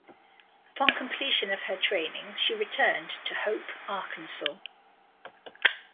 Upon completion of her training, she returned to Hope, Arkansas.